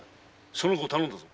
その子を頼んだぞ。